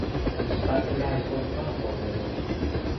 ปัจจุบัน คนก็บ่นเยอะ